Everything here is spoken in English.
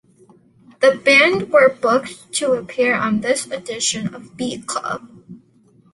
The band were booked to appear on this edition of "Beat-Club".